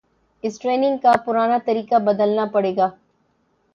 اس کا ٹریننگ کا پرانا طریقہ بدلنا پڑے گا